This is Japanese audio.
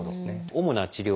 主な治療